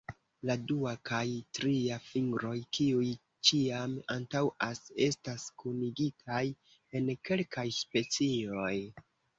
La dua kaj tria fingroj, kiuj ĉiam antaŭas, estas kunigitaj en kelkaj specioj.